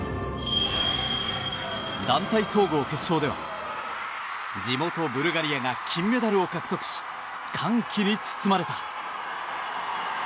団体総合決勝では地元ブルガリアが金メダルを獲得し歓喜に包まれた。